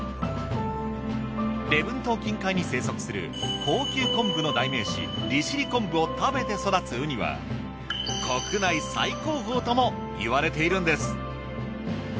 礼文島近海に生息する高級昆布の代名詞利尻昆布を食べて育つウニは国内最高峰ともいわれているんです。